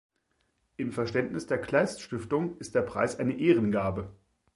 Im Verständnis der Kleist-Stiftung ist der Preis eine „Ehrengabe“.